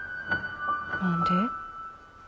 何で？